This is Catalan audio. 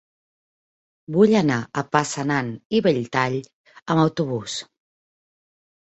Vull anar a Passanant i Belltall amb autobús.